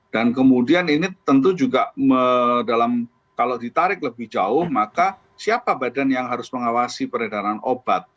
dan kemudian ini tentu juga dalam kalau ditarik lebih jauh maka siapa badan yang harus mengawasi peredaran obat